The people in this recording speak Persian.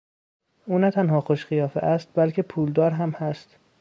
او نه تنها خوش قیافه است بلکه پولدار هم هست.